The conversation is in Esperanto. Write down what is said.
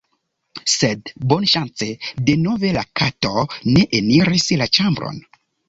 Sed, bonŝance denove la kato ne eniris la ĉambron.